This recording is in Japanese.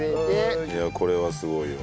いやこれはすごいよ。